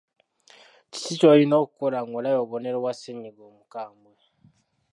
Kiki ky’olina okukola ng’olabye obubonero bwa ssennyiga omukambwe?